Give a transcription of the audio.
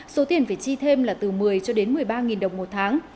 số tiền phải chi thêm là từ một mươi cho đến một mươi ba đồng một tháng